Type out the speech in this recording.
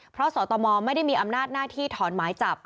เพราะสตมไม่ได้มีอำนาจหน้าที่ถอนหมายจับ